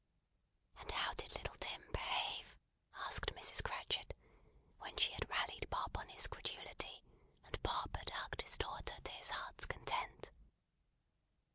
"And how did little Tim behave?" asked Mrs. Cratchit, when she had rallied Bob on his credulity, and Bob had hugged his daughter to his heart's content.